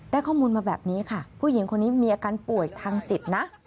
ข้อมูลมาแบบนี้ค่ะผู้หญิงคนนี้มีอาการป่วยทางจิตนะ